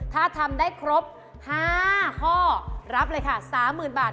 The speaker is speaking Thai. ถ้าทำได้ครบ๕ข้อรับเลยค่ะ๓๐๐๐บาท